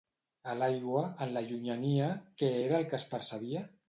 A l'aigua, en la llunyania, què era el que es percebia?